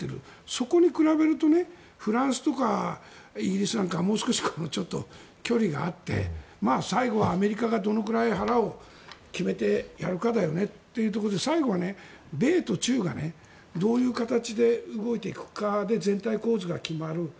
そこに比べるとフランスとかイギリスなんかはもう少し距離があって最後はアメリカがどのくらい腹を決めてやるかだよねというところで最後は米と中がどういう形で動いていくかで全体構図が決まる。